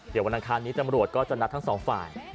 เดี๋ยววันอังคารนี้ตำรวจก็จะนัดทั้งสองฝ่าย